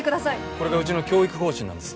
これがうちの教育方針なんです。